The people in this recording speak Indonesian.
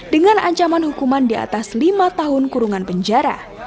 dengan ancaman hukuman di atas lima tahun kurungan penjara